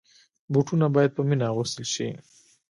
بوټونه باید په مینه اغوستل شي.